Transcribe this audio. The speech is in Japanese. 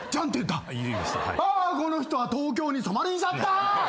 あこの人は東京に染まりんしゃった！